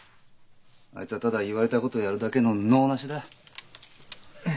あいつはただ言われたことをやるだけの能なしだよ。